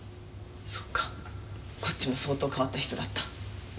そっかこっちも相当変わった人だった。